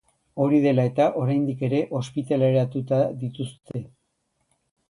Hori dela eta, oraindik ere ospitaleratuta dituzte.